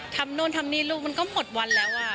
นู่นทำนี่ลูกมันก็หมดวันแล้วอ่ะ